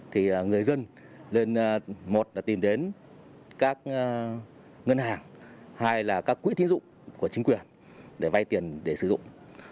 thì người dân lên một là tìm đến các ngân hàng hai là các quỹ tín dụng của chính quyền để vay tiền để sử dụng